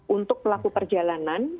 untuk pelaku perjalanan